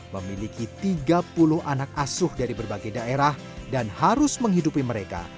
memiliki tiga puluh anak asuh dari berbagai daerah dan harus menghidupi mereka